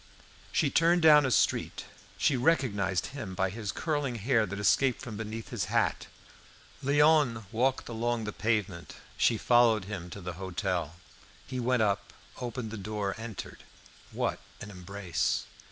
She turned down a street; she recognised him by his curling hair that escaped from beneath his hat. Léon walked along the pavement. She followed him to the hotel. He went up, opened the door, entered What an embrace!